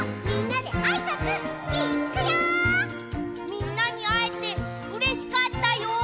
みんなにあえてうれしかったよ。